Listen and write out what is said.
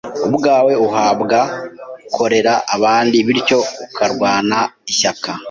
ubwawe ahubwo ukorera abandi bityo ukarwana ishyaka